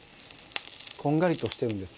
こんがりとしてるんです。